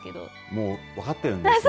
もう分かってるんですね